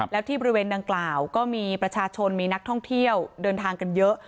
แล้วที่บริเวณดังกล่าวก็มีประชาชนมีนักท่องเที่ยวเดินทางกันเยอะ